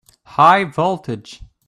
High voltage!